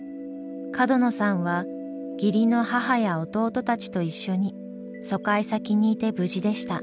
角野さんは義理の母や弟たちと一緒に疎開先にいて無事でした。